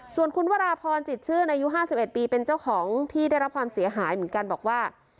ส่วนคุณวราพรจิตชื่นอายุ๕๑ปีเป็นเจ้าของที่ได้รับความเสียหายเหมือนกันบอกว่า